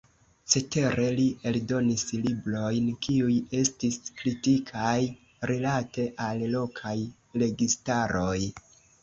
Cetere li eldonis librojn kiuj estis kritikaj rilate al lokaj registaroj.